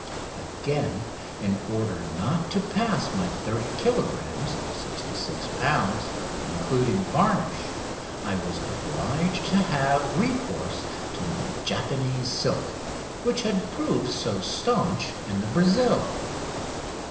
Again, in order not to pass my 30 kilogrammes (66 lbs.), including varnish, I was obliged to have recourse to my Japanese silk, which had proved so staunch in the "Brazil."